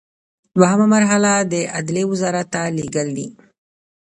دوهمه مرحله د عدلیې وزارت ته لیږل دي.